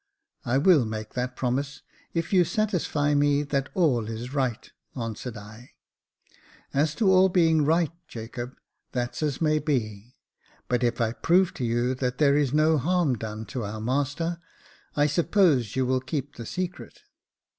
"I will make that promise, if you satisfy me that all is right," answered I. " As to all being right, Jacob, that's as may be j but if I prove to you that there is no harm done to our master, I suppose you will keep the secret.